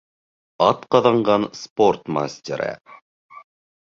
Атҡаҙанған спорт мастеры